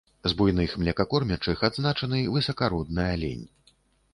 З буйных млекакормячых адзначаны высакародны алень.